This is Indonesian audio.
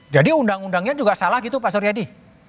jadi undang undangnya juga salah gitu pak suryadi